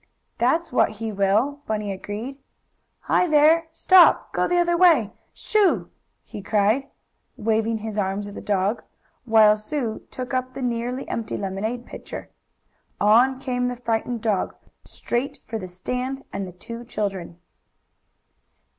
"That's what he will," Bunny agreed. "Hi, there! Stop! Go the other way! Shoo!" he cried, waving his arms at the dog, while Sue took up the nearly empty lemonade pitcher. On came the frightened dog, straight for the stand and the two children.